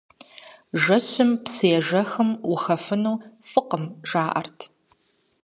Жэщым псыежэхым ухэфыну фӀыкъым, жаӀэрт.